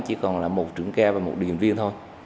chỉ còn là một trưởng ca và một điện viên thôi